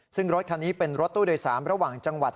ซึ่งรถคันนี้เป็นรถตู้โดยสารระหว่างจังหวัด